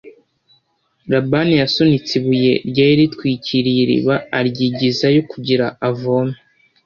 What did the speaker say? labani yasunitse ibuye ryari ritwikiriye iriba aryigizayo kugira avome